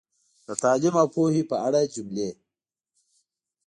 د تعلیم او پوهې په اړه جملې